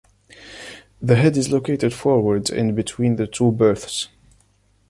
The head is located forward in between the two berths.